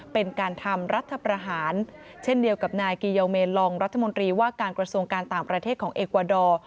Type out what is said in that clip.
เป็นการทำรัฐประหารเช่นเดียวกับนายกีโยเมลองรัฐมนตรีว่าการกระทรวงการต่างประเทศของเอกวาดอร์